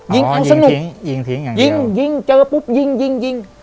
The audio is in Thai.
ยิงเอาสนุกยิงเจอปุ๊บยิงยิงยิง